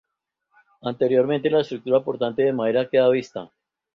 Interiormente la estructura portante de madera queda vista.